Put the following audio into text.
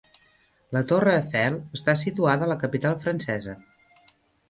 La Torre Eiffel està situada a la capital francesa.